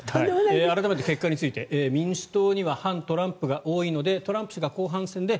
改めて、結果について民主党には反トランプが多いのでトランプ氏が後半戦で